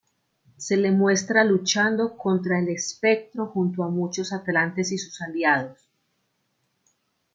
Se le muestra luchando contra el Espectro junto a muchos atlantes y sus aliados.